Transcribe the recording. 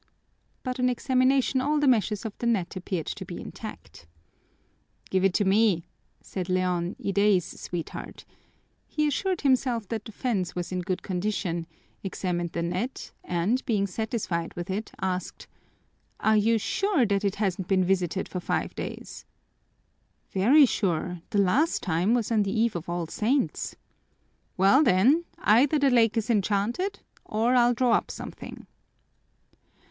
But on examination all the meshes of the net appeared to be intact. "Give it to me," said Leon, Iday's sweetheart. He assured himself that the fence was in good condition, examined the net and being satisfied with it, asked, "Are you sure that it hasn't been visited for five days?" "Very sure! The last time was on the eve of All Saints." "Well then, either the lake is enchanted or I'll draw up something."